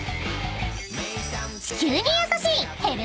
［地球に優しい］